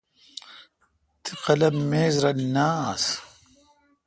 تی قلم میز رل نہ آس۔